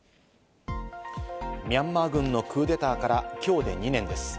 ミャンマー軍のクーデターから今日で２年です。